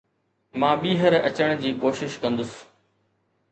مان ٻيهر اچڻ جي ڪوشش ڪندس.